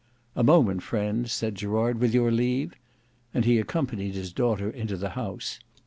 "A moment, friends," said Gerard, "with your leave;" and he accompanied his daughter into the house.